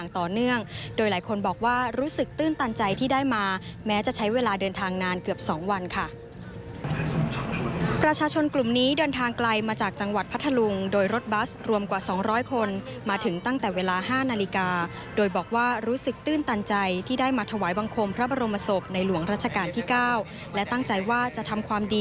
ต่อเนื่องโดยหลายคนบอกว่ารู้สึกตื้นตันใจที่ได้มาแม้จะใช้เวลาเดินทางนานเกือบ๒วันค่ะประชาชนกลุ่มนี้เดินทางไกลมาจากจังหวัดพัทธลุงโดยรถบัสรวมกว่า๒๐๐คนมาถึงตั้งแต่เวลา๕นาฬิกาโดยบอกว่ารู้สึกตื้นตันใจที่ได้มาถวายบังคมพระบรมศพในหลวงราชการที่๙และตั้งใจว่าจะทำความดี